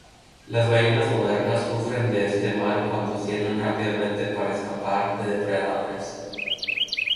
Las ballenas modernas sufren de este mal cuando ascienden rápidamente para escapar de depredadores.